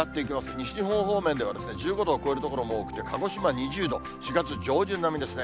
西日本方面では、１５度を超える所も多くて、鹿児島２０度、４月上旬並みですね。